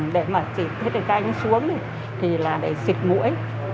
để mà xịt hết cái đánh xuống thì là để xịt mũi